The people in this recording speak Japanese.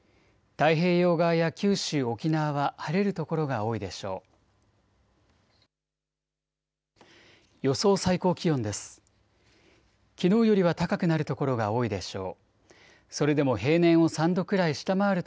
太平洋側や九州、沖縄は晴れる所が多いでしょう。